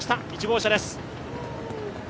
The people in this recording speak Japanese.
１号車です。